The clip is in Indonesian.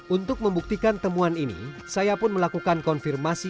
untuk membuktikan temuan ini saya pun melakukan konfirmasi